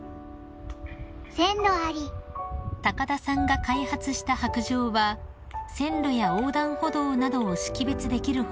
［高田さんが開発した白じょうは線路や横断歩道などを識別できる他］